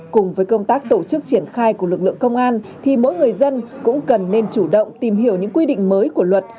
cùng với công tác tổ chức triển khai của lực lượng công an thì mỗi người dân cũng cần nên chủ động tìm hiểu những quy định mới của luật